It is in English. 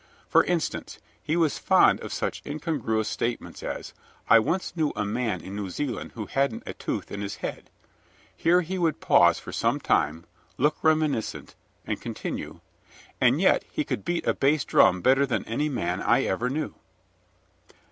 For instance, he was fond of such incongruous statements as: "I once knew a man in New Zealand who hadn't a tooth in his head," here he would pause for some time, look reminiscent, and continue: "and yet he could beat a base drum better than any man I ever knew."